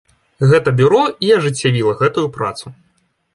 Гэта бюро і ажыццявіла гэтую працу.